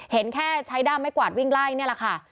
เห็นแค่ใช้ด้ามไม้กวาดวิ่งไล่นี่แหละค่ะ